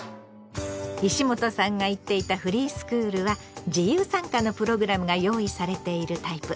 石本さんが行っていたフリースクールは自由参加のプログラムが用意されているタイプ。